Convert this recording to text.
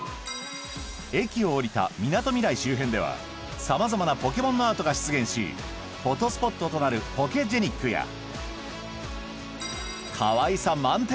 駅を降りたみなとみらい周辺ではさまざまなポケモンのアートが出現しフォトスポットとなるかわいさ満点！